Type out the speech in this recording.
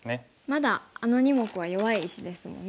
まだあの２目は弱い石ですもんね。